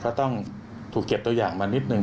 ก็ต้องถูกเก็บตัวอย่างมานิดหนึ่ง